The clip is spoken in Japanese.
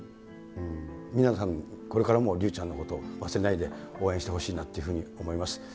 皆さん、これからも竜ちゃんのこと忘れないで応援してほしいなというふうに思います。